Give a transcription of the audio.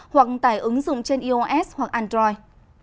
hoặc tại ứng dụng trên ios hoặc android